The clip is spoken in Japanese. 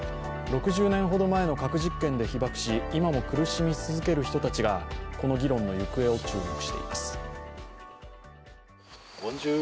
６０年ほど前の核実験で被爆し、今も苦しみ続ける人たちがこの議論の行方を注目しています。